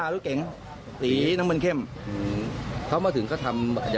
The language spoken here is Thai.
แล้วมีการทะเลาะกันมั้ย